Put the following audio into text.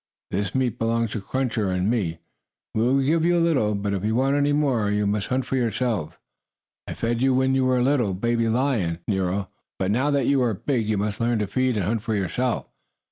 This meat belongs to Cruncher and me. We will give you a little, but, if you want any more, you must hunt for yourselves. I fed you when you were a little baby lion, Nero, but now that you are big you must learn to feed and hunt for yourself."